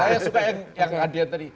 saya suka yang adian tadi